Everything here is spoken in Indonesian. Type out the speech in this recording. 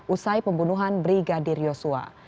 usai pembunuhan brigadir yosua